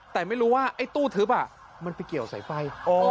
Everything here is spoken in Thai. แต่ไม่รู้ว่าไอ้ตู้ทึบมันไปเกี่ยวสายไฟ